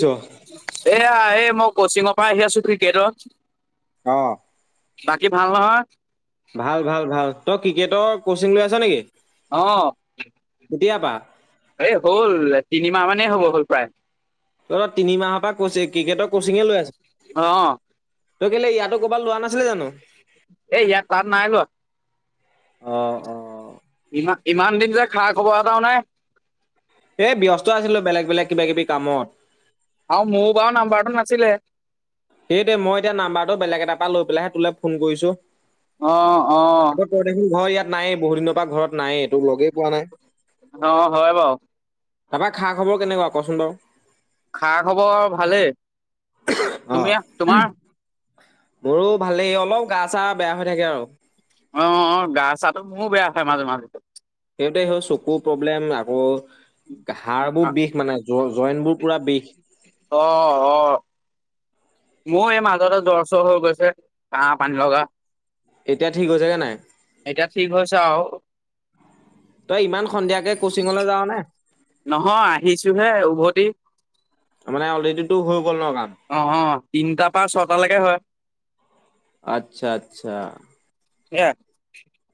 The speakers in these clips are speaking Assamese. ছ এয়া এই মক কচিঙৰ পৰা আহি আছো ক্ৰিকেটৰ। অঁ বাকী ভাল নহয়। ভাল ভাল- ভাল। তই ক্ৰিকেটৰ কচিং লৈ আছ নেকি। অঁ, কেতিয়াৰ পৰা? এই হ'ল, তিনিমাহ মান এনে হ'ব হ'ল প্ৰায় । তই ত তিনি মাহৰ পৰা কি ক্ৰিকেটৰ কোচিঙে লৈ আছ অ অ তই কেলে ইয়াতো ক এ ইয়াৰ তাত নাই লোৱা অ অ ই ইমান দিন যে খা খবৰ এটাও নাই এ ব্যস্ত আছিলো বেলেগ বেলেগ কিবা কিবি কামত আৰু মোৰ বাও নাম্বাৰটো নাছিলে সেই দেই মই এতিয়া নাম্বাৰটো বেলেগ এটাৰ পৰা লৈ পেলাইহে তোলে ফোন কৰিছো অহ অহ আকৌ তই দেখোন ঘৰ ইয়াত নায়েই বহু দিনৰ পৰা ঘৰত নায়েই তোক লগেই পোৱা নাই অ হয় বাও তাৰপৰা খা খবৰ কেনেকোৱা কচোন বাৰু খা খবৰ ভালেই অ'। তুমি তোমাৰ মোৰো ভালেই অলপ গা চা বেয়া হৈ থাকে আৰু অ অ গা চাটো মোৰো বেয়া হয় মাজে মাজে সেইটোৱে সেই চকুৰ প্ৰব্লেম আকৌ হাড়বোৰ বিষ মানে জ জইনবোৰ পুৰা বিষ অ অ মোৰ এই মাজতে জ্বৰ চৰ হৈ গৈছে কাহ পানী লগা এতিয়া ঠিক হৈছেগে নাই এতিয়া ঠিক হৈছ আও তই ইমান সন্ধিয়া নহয় আহিছো হে উভতি মানে অলৰেডি তোৰ হৈ গ'ল ন কাম আহ তিনটাৰ পৰা ছটালৈকে হয় আচ্ছা আচ্ছা সেয়া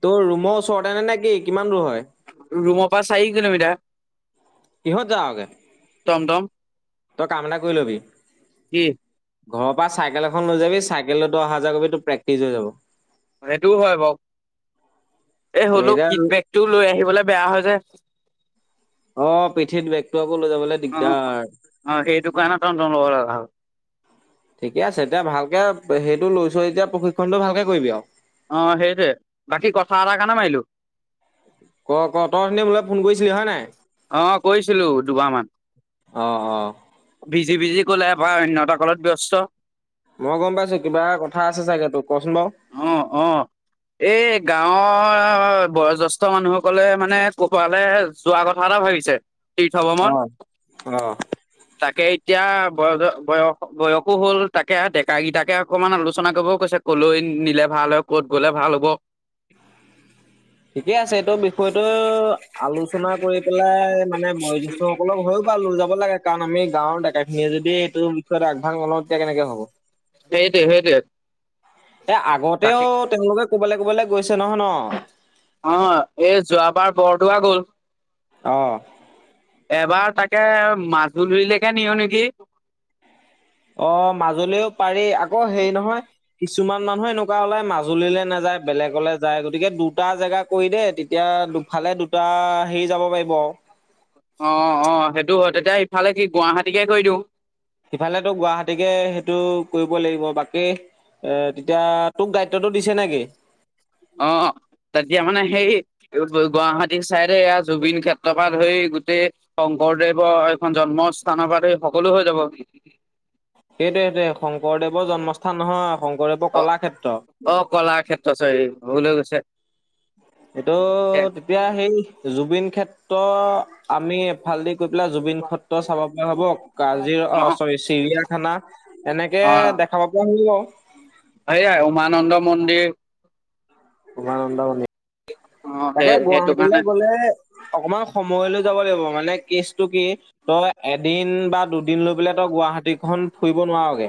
তোৰ ৰুমৰ ওচৰতে নে নে কি কিমান দূৰ হয় পা চাৰি কিলোমিটাৰ কিহত যাওগে টম টম তই কাম এটা কৰি লবি কি ঘৰৰ পৰা চাইকেল এখন লৈ যাবি চাইকেলত অহা-যোৱা কৰিবি তোৰ প্ৰেক্টিছ হৈ যাব সেইটোও হয় বাৰু এই হলেও এতিয়া কিডবেকটো লৈ আহিবলে বেয়া হয় যে অ পিঠিত বেগটো আকৌ লৈ যাবলৈ অ দিগদাৰ অ সেইটো কাৰণে টমটম ল'ব লগা হ'ল ঠিকে আছে এতিয়া ভালকে সেইটো লৈছো এতিয়া প্ৰশিক্ষণটো ভালকে কৰিবি আৰু অহ সেইটোৱে বাকী কথা এটাৰ কাৰণে মাৰিলো ক ক তই অথনি মোলৈ ফোন কৰিছিলি হয় নাই অহ কৈছিলো দুবাৰমান অ অ বিজি বিজি ক'লে আক অন্য এটা কলত ব্যস্ত মই গম পাইছো কিবা কথা আছে চাগে তোক অ অ এই গাঁৱৰ বয়োজষ্ঠে মানুহসকলে মানে [unintelligible] যোৱা কথা এটা ভাবিছে । তীৰ্থ ভ্ৰমণ অ অ তাকেই এতিয়া বয় বয়স বয়সো হ'ল তাকে ডেকাকেইটাকে অকমান আলোচনা কৰিবও কৈছে ক'লৈ নিলে ভাল হয় ক'ত গ'লে ভাল হ'ব। ঠিকে আছে এইটো বিষয়টো আলোচনা কৰি পেলাই মানে বয়োজ্যেষ্ঠ সকলক হয় বাৰ লৈ যাব লাগে কাৰণ আমি গাৱৰ ডেকাই আমিয়ে যদি মেইটো বিষয়ত আগভাগ নলওঁ তেতিয়া কেনেকে হ'ব। সেইটোৱেই সেইটোৱেই। এ আগতেও তেওঁলোকে ক'বালৈ ক'বালৈ গৈছে নহয় ন অ এই যোৱাবাৰ বৰদোৱা গ'ল। অ এবাৰ তাক তে মাজুলিলেকে নিওঁ নেকি? অ মাজুলিও পাৰি আকৌ হেৰি নহয় কিছুমান মানুহে এনেকুৱা ওলাই মাজুলীলৈ নাযায় বেলেগলৈ যায় গতিকে দুটা জেগা কৰি দে তেতিয়া দুফালে দুটা হেৰি যাব পাৰিব আৰু। অ অ সেইটো হয় এতিয়া ইফালে কি গুৱাহাটীকে কৰি দিওঁ। সিফালে তোক গুৱাহাটীকে সেইটো কৰিব লাগিব বাকী এ তেতিয়া তোক দায়িত্বটো দিছে নেকি? অ তেতিয়া মানে সেই গুৱাহাটী চাইডে জুবিন ক্ষেত্ৰৰ পৰা ধৰি গোটেই শংকৰদেৱৰ এইখন জন্মস্থানৰ পৰা ধৰি সকলো হৈ যাব। সেইটোৱে সেইটোৱে শংকৰদেৱৰ জন্মস্থান নহয় শংকৰদেৱৰ অ কলাক্ষেত্ৰ। অ কলাক্ষেত্ৰ চৰি। ভুল হৈ গৈছে। এইটো তেতিয়া সেই জুবিন খেত ত আমি এফাল দি গৈ পেলাই অ', জুবিন ক্ষেত্ৰ চাব পৰা হব চৰি চিৰিয়াখানা এনেকে দেখাব পব আৰু। [inaudible] সয়াই উমানন্দ মন্দিৰ উমানন্দ মন্দিৰ অ', সেই তাকে সেইটো গুৱাহতিলে কাৰণে গলে অকমান সময় লৈ যাব লাগিব । নহলে কেছটো কি তই এদিন বা দুদিন লৈ পেলাই তই গুৱাহাটীখন ফুৰিব নোৱাৰগে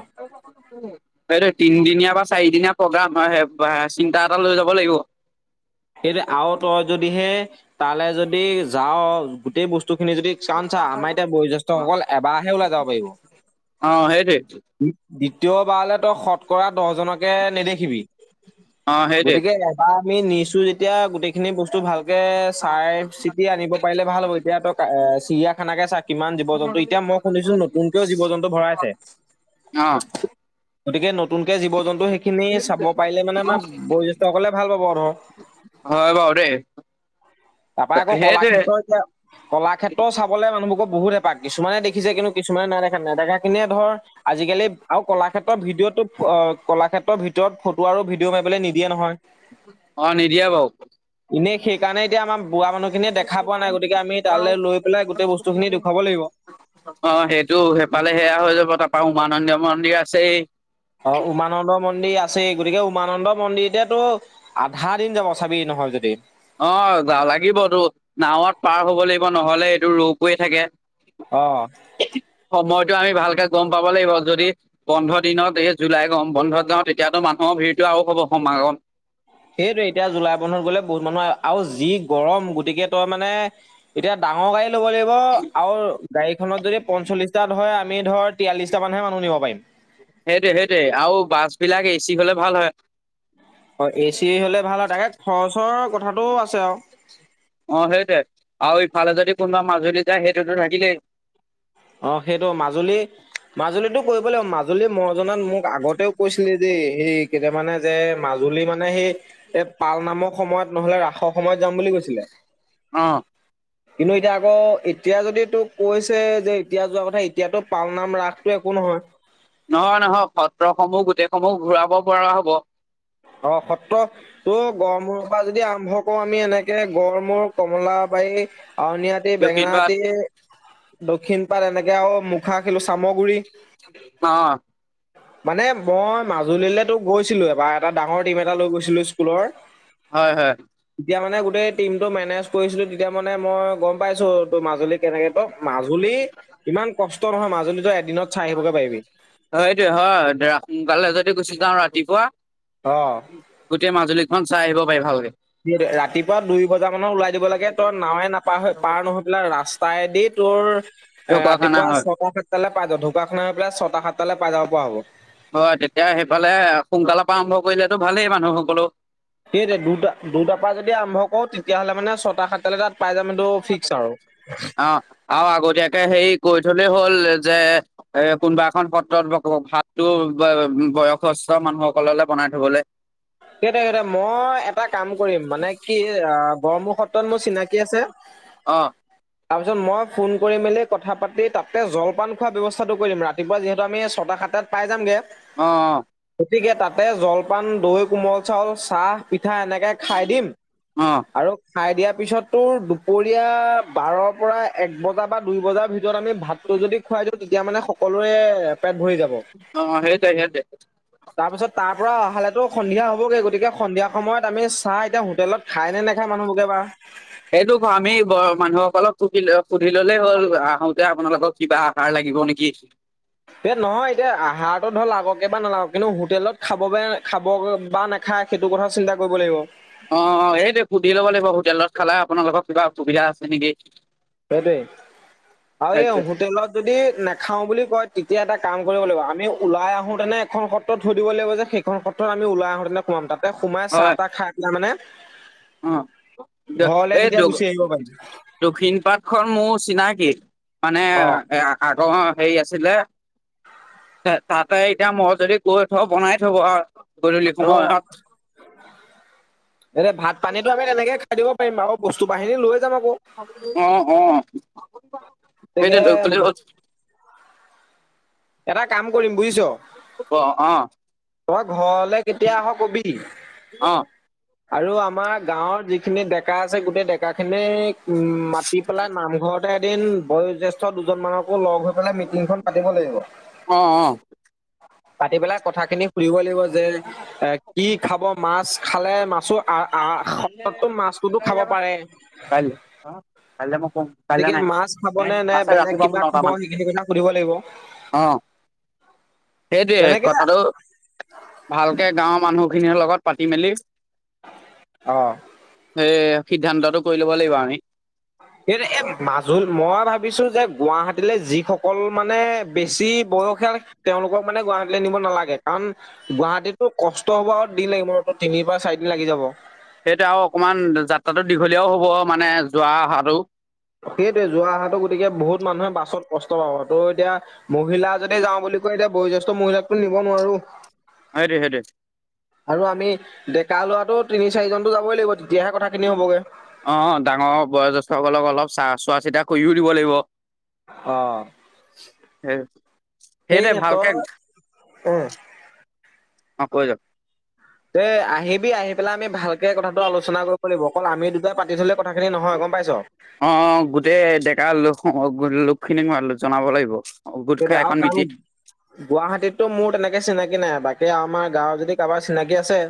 এই তিনদিনীয়া বা চাৰিদিনীয়া প্ৰগ্ৰাম চিন্তা এটা লৈ যাব লাগিব। সেই আৰু তই যদিহে তালৈ যদি যাৱ গোটেই বস্তু বস্তু খিনি যদি চান চা আমাৰ এতিয়া বয়োজষ্ঠেসকল এবাৰহে ওলাই যাব পাৰিব। অ', সেইটোৱে দ্বিতীয়বাৰলে তই শত কৰা দহজনকে নেদেখিবি অ', সেইটোৱে গতিকে এবাৰ ম নিশ্চয় [unintelligible] যেতিয়া গোটেইখিনি বস্তু ভাল চাই চিটি আনিব পাৰিলে ভাল হ'ব। এতিয়া ত'এ চিৰিয়া সেনেকে চাগে কিমান জীৱ জন্তু, এতিয়া মই শুনিছো নতুনকেও জীৱ জন্তু ভৰাইছে, অ', গতিকে নতুনকে জীৱ জন্তু সেইখিনি চাব পাৰিলে মানে আমাৰ বয়োজ্যেষ্ঠসকলে ভাল পাব আৰু। হয় বাৰু দেই তাৰপৰা আকৌ সেইটোৱে কলাক্ষেত্ৰ এতিয়া, কলাক্ষেত্ৰ চাবলে [unintelligible] মোকক বহুতে পাক কিছুমান দেখিছে কিন্তু কিছুমানে নাইদে নেদেখা কিনিয়ে ধৰ আজিকালি, আৰু কলাক্ষেত্ৰৰ ভিডিঅ'টোত অ কলাক্ষেত্ৰৰ ভিতৰত ফটো আৰু ভিডিঅ' মাৰিবলৈ নিদিয়ে নহয়। অ', নিদিয়ে এনেই সেইকাৰণে এতিয়া আমাৰ বুঢ়া মানুহখিনিয়ে [inaudible] দেখা পোৱা নাই গতিকে আমি তালৈ লৈ পেলাই গোটেই বস্তুখিনি দেখুৱাব লাগিব। অঁ সেইটো সেইফালে সেয়া হৈ যাব, তাৰ পা উমানন্দ মন্দিৰ আছেই অ উমানন্দ মন্দিৰ আছে, গতিকে উ উমানন্দ মন্দিৰতেতো আধা দিন যাব, চাবি নহয় যদি। অঁ লাগিবতো, নাৱত পাৰ হ'ব লাগিব নহলে এইটো ৰৌ কৰি থাকে। অঁ। সময়তো আমি ভালকে গম পাব লাগিব, যদি বন্ধৰ দিনত এই জুলাই গম বন্ধত যাওঁ তেতিয়াতো মানুহৰ ভিৰটো আৰু হ'ব সমাগম। সেইটোৱে, এতিয়া জুলাই মানত গ'লে বহুত মানুহ, আৰু যি গৰম, গতিকে তই মানে এতিয়া ডাঙৰ গাড়ী ব লাগিব আৰু গাড়ীখনত যদি পঞ্চল্লিশটা ধৰে আমি ধৰ তিৰাল্লিশটা মানহে মানুহ নিব পাৰিম। সেইটোৱে সেইটোৱে আৰু বাছ বিলাক এ'চি হলে ভাল হয়। অঁ এ'চি হলে ভাল হয়, তাকেখৰচ চৰ কথাটোও আছে আৰু। অঁ সেইটে, আৰু ইফালে যদি কোনোবা মাজুলী যায় সেইটোতো থাকিলেই। অঁ সেইটো, মাজুলী মাজুলীতটো কৰিব লাগিব, মাজুলী মৰ জনাত মোক আগতেও কৈছিলে যে এইেই কেতিয় মানে, যে মাজুলী মানে সেই এই পাল নামৰ সময়ত নহলে ৰাসৰ সময়ত যাম বুলি কৈছিলে অঁ। কিন্তু এতিয়া আকৌ এতিয়া যদি তোক কৈছে যে এতিয়া যোৱা কথা এতিয়াতো পালনাম ৰাসটো একো নহয় নহয় নহয়, সত্ৰসমূহ গোটেই সমূহ ঘূৰাব পৰা হ'ব। অঁ, সত্ৰ তটো গৰমূৰ পৰা যদি আৰম্ভ আকৌ আমি এনেকে গড় মূৰ কমলা বাৰি আউণিয়াতি দক্ষিণপাট বেঙেনাতি দক্ষিণ পাৰ এনেকে আৰু মুখা খেলো চামগুৰি অ মানে মই মাজুলীলেতো গৈছিলো এবাৰ এটা ডাঙৰ টিম এটা লৈ গৈছিলা স্কুলৰ হয় হয় তেতিয়া মানে গোট - তেই টিমটো মেনেজ কৰিছিলো তেতিয়া মানে মই গম পাইছো তোৰ মাজুলী কেনেকে কম মাজুলীতো এদিনত চাই আহিবগে পাৰিবি হয় এইটো হয় তেৰা সোনকালে যদি গুচি যাওঁ ৰাতিপুৱা অ গোটেই মাজুলীখন চাই আহিব পাৰি ভালকে ৰাতিপুৱা দুই বজা মানৰ ওলাই দিব লাগে তই নাৱে নাপাহ পাৰ নহৈ পেলাই ৰাস্তা তাইদি তোৰ ঢকুৱাখানা ৰাতিপুৱা হয় ছটা সাতটালে পাই জ ঢকোৱাখান পৰা ছটা সাতটালে পাই যাব পৰা হ'ব হয় তেতিয়া সেইফালে সোনকালৰ পৰা আৰম্ভ কৰিলেতো ভালেই মানুহসকলো সেই দে দুটা দুটাৰ পৰা যদি আৰম্ভ কৰো তেতিয়াহ'লে মানে চত- তা সাত তালে তাত পাই যাম এইটো ফিক্স আৰু। অ আৰু আগতীয়াকে হেই কৈ থলে হ'ল যে এ কোনোবা এখন পত্ৰত বকবক ভাতটো ব বয়সস্থ মানুহসকললে বনাই থবলৈ কেইটা কেইটা মই এটা কাম কৰিম মানে কি অ বৰমুখ সত্ৰত মোৰ চিনাকী আছে অ তাৰপিছত মই ফোন কৰি মেলি কথা পাতি তাতে জলপান খোৱাৰ ব্যৱস্থাটো কৰিম ৰাতিপুৱা যিহেতু আমি ছটা সাতাত পাই যামগে। অ অ গতিকে তাতে জলপান দৈ কোমল চাউল, চাহ পি পিঠা এনেকে খাই দিম অ আৰু খাই দিয়াৰ পিছত তোৰ দুপৰীয়া বাৰৰ পৰা এক বজা বা দুই বজাৰ ভিতৰত যত আমি ভাতটো যদি খুৱাই দিও তেতিয়া মানে সকলোৰে পেট ভৰি যাব। অ হেইটে হেয়াতে পুৰা আহালেতো সন্ধিয়া হ'বগে গতিকে সন্ধিয়া সময়ত আমি চাহ এতিয়া হোটেলত খাই নে নেখায় মানুহবকে বা সেইটো ক আমি ব মানুহসকলক সুধ সুধি ললেই হ'ল আহোতে আপোনালোকৰ কিবা আহাৰ লাগিব নেকি এ নহয় এতিয়া আহাৰটো ধৰ আগে বা নালাগক কিন্তু হোটেলত খাব খাব বা নাখায় সেইটো কথা চিন্তা কৰিব লাগিব অ অ সেইটো সুধি ল'ব লাগিব হোটেলত খালে আপোনালোকৰ কিবা অসুবিধা আছে নেকি? সেইটোৱেই আৰু সেইটোৱে এই হোটেলত যদি নাখাও বুলি কয় তেতিয়া এটা কাম কৰিব লাগিব আমি ওলাই আহো তেনে এখন সত্ৰ থৈ দিব লাগিব যে সেইখন সত্ৰ থ আমি ওলাই আহোতেনে সোমাম তাতে সোমাই হয় চাহ তাহ খাই পেলাই মানে অ ঘৰলে এই তেতিয়া গুচি আহিব পাৰিম দক্ষিণ পাট খন মোৰ চিনাকী। মানে অ এ আগ হেৰি আছিলে তাতে এতিয়া মই যদি গৈ থ বনাই থব আৰু গধুলি অ সময়ত এতিয়া ভাত পানীটো আমি তেক খাই দিওঁ পাৰিম আৰু বস্তু বাহিনী লৈ যাম আকৌ অ অ গতিকে সেইটো এটা কাম কৰিম বুজিছ অ', অ', তই ঘৰলৈ কেতিয়া আহ কবি অ', । আৰু আমাৰ গাঁৱৰ যিখিনি ডেকা আছে গোটেই ডেকাখিনিক উম মাতি পেলাই নামঘৰত এদিন বয়োজ্যেষ্ঠ দুজন মানকো লগ হৈ পেলাই মিটিংখন পাতিব লাগিব । আহ আহ পাতি পেলাই কথা খিনি সুধিব লাগিব যে যে এ কি খাব? মাছ খালে মাছো আ আহ কাইলে সো মাছটোতো কাইলে খাব যাবা নেকি? পাৰে, কাইলৈ কাইলৈ মই কম কাইলৈ গতিকে নাই মাছ খাবনে নে আছে বেলেগ ৰাতিপুৱা মোৰ কিবা নটা খব মান সেই সেই কথা সুধিব লাগিব? অ সেইটোৱে তেনেকে কথাটো ভালকে গাঁৱৰ মানুহ খিনিৰ লগত পাতি মেলি অ সেই। সিদ্ধান্তটো কৰি ল'ব লাগিব আমি । স মাজুল মই ভাবিছো যে গুৱাহাটীলৈ যিসকল মানে বেছি বয়সীয়া তেওঁলোকক মানে গুৱাহাটীলৈ নিব নালাগে কাৰণ গুৱাহাটীতো কষ্ট হব দিন লাগিব ন, তিনিৰ পৰা চাৰিদিন লাগি যাব । সেইটোৱে আৰু অকণমান যাত্ৰাটো দীঘলীয়াও হ'ব মানে যোৱা অহাটো । সেইটয়ে যোৱা অহাতো গতিকে বহুত মানুহে বাছত কষ্ট পাব ত' এতিয়া মহিলা যদি যাওঁ বুলি কয় এতিয়া বয়োজ্যেষ্ঠ মহিলাকতো নিব নোৱাৰো । সেইটোৱে সেইটোৱে আৰু আমি ডেকা লোৱাটো তিনি চাৰিজনতো যাবই লাগিব তেতিয়াহে কথাখিনি হ'বগৈ। অ ডাঙৰ বয়োজ্যেষ্ঠসকলক অলপ চা চোৱা চিতা কৰিও দিব লাগিব। অহ সেই সেই সেইটোৱে নেত ভালকে উ। অ কৈ যাক। তে আহিবি আহি পেলাই আমি ভালকে কথাটো আলোচনা কৰিব লাগিব। অকল আমি দুটাই পাতি থলে কথাখিনি নহয় গম পাইছ। অ খিনিক মই জনাব লাগিব। গোট খাই সেইে আৰু এখন মিটিং কাৰণ গুৱাহাটীততটো মোৰ তেনেকে চিনাকি। কি নাই বাকী আমাৰ গাঁৱৰ যদি কাৰোবাৰ চিনাকি আছে।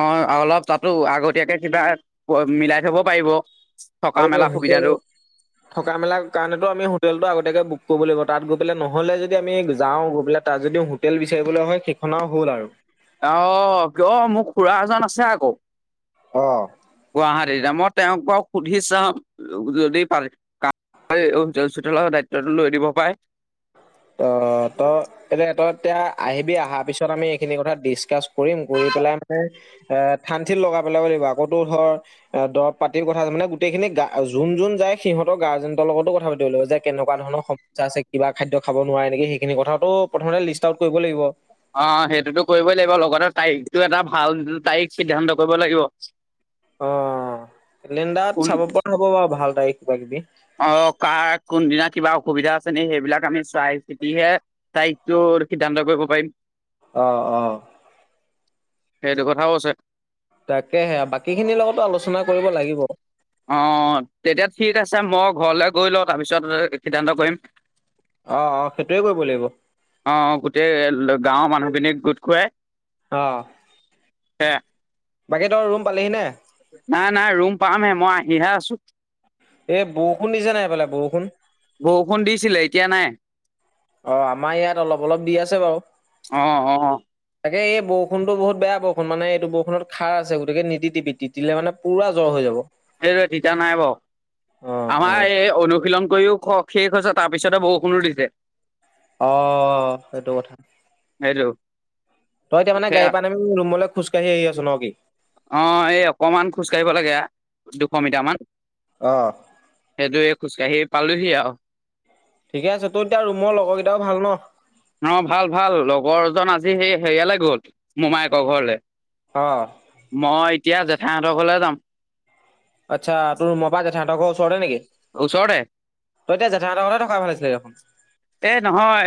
অ অলপ তাতো আগতীয়াকে কিবা মিলাই থব পাৰিব। থকা এইটো মেলা হোটেল সুবিধাটো থকা মেলাৰ কাৰণেতটো আমি হোটেলটো আগতীয়াকে বুক কৰিবলৈ লাগিব। তাত গৈ পেলাই নহ'লে যদি আমি যাওঁ গৈ পেলাই তাত যদি হোটেল বিচাৰিবলৈ হয় সেইখনও হ'ল আৰু। আহ কিয় মোক খুৰা এজন আছে আকৌ। অ'। গুৱাহাটী নামত। তেওঁক ক সুধি চাম দায়িত্বটো লৈ দিব পাৰে। ত ত এতিয়া এতিয়া আহিবি অহাৰ পিছত আমি এইখিনি কথা ডিচকাচ। কৰিম কৰি পেলাই মানে। এ থঠান থিন লগাই পেলাব লাগিব আকৌতো ধৰ দৰৱ পাতিৰ কথা আছে মানে গোটেইখিনিা যোন যোন যায় সিহতৰ গাৰ্জেনৰ লগতো কথা পাতিব লাগিব যে কেনেকুৱা ধৰণৰ সমস্য আছে কিবা খাদ্য। খাব নোৱাৰে নেকি সেইখিনি কথাটো প্ৰথমতে লিষ্ট আউট কৰিব লাগিব। অ সেইটোতো কৰিবই লাগিব লগতে তাৰিখটো এটা ভাল তাৰিখ সিদ্ধান্ত কৰিব লাগিব। অ লেণ্ডাত কোন চাব পৰা হ'ব বাৰু ভাল তাৰিখ কিবা কিবি। অ কাৰ কোনদিনা কিবা অসুবিধা আছে নে সেইবিলাক আমি চাই চিতিহে তাৰিখটো সিদ্ধান্ত কৰিব পাৰিম। অ অ। সেইটো কথাও আছে। তাকেহে আৰু বাকী খিনিৰ লগতো আলোচনা কৰিব লাগিব। অ তেতিয়া ঠিক আছে মই ঘৰলে গৈ লওঁ তাৰপিছত সিদ্ধান্ত কৰিম। অ অ সেইটোয়ে কৰিব লাগিব অ গোটেই। গাঁৱৰ মানুহখিনিক গোট খুৱাই। অ বাকী তই ৰুম পালিহি নে নাই নাই ৰুম পামহে মই আহিহে আছো। থ [unintelligible] এই বৰষুণ নিজা নাইফালে বৰষুণ। বৰষুণ দিছিলে এতিয়া নাই। অ আমাৰ ইয়াত অলপ অলপ দি আছে বাৰু। অ অ তাকে এই বৰষুণটো বহুত বেয়া বৰষুণ মানে এইটো বৰষুণত খাৰ আছে গতিকে নিটাপি টিপালে মানে পুৰা জ্বৰ হৈ যাব। সেই তিতা নাই বাৰ অ আমাৰ এই অনুশীলন। গও শেষছ তাৰ পিছতে বৰষুণ দিছে। অ সেইটো কথা। হেল্ল'। তইতিয়া মানে গাড়ী পান আমি ৰুমলৈ খোজকাঢ়ি আহিছ ন কি। অ এই অকমান খোজ কাঢ়িব লাগে। দুশ মিটাৰ মান অ সেইটোৱে। খোজকাঢ়ি পালোহি আৰু। ঠিকে আছে, তোৰ এতিয়া ৰুমৰ লগৰ কেইটাও ভাল ন? অহ, ভাল -ভাল লগৰ এজন আজি সেই হেৰিয়ালৈ গল মোমায়েকৰ ঘৰলে। অ মই, এতিয়া জেঠাইহঁতৰ ঘৰলে যাম। আচ্ছা তোৰ ৰোমৰ পা জেঠাইহতৰ ঘৰ ওচৰতে নেকি? ওচৰতে তই, এতিয়া জেঠাহতৰ ঘৰতে থকা ভাল আছিলে দেখোন। এ নহয়